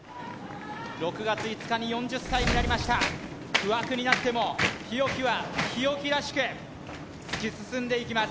６月５日に４０歳になりました不惑になっても日置は日置らしく突き進んでいきます・